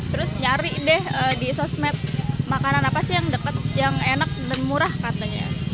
terus nyari deh di sosmed makanan apa sih yang enak dan murah katanya